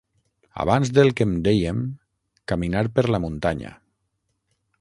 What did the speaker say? Abans del que en dèiem caminar per la muntanya.